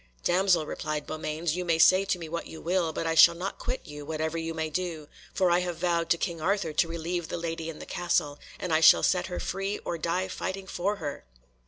"Damsel," replied Beaumains, "you may say to me what you will, but I shall not quit you whatever you may do, for I have vowed to King Arthur to relieve the lady in the castle, and I shall set her free or die fighting for her."